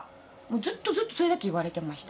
ずっとずっとそれだけ言われてました。